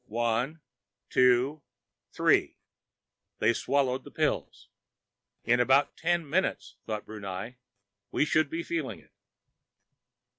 "One, two, three!" They swallowed the pills. In about ten minutes, thought Brunei, we should be feeling it.